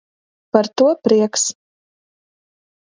Par to prieks!